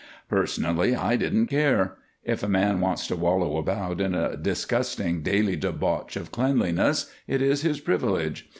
Personally, I didn't care. If a man wants to wallow about in a disgusting daily debauch of cleanliness, it is his privilege.